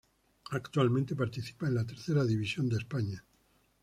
Actualmente participa en la Tercera División de España.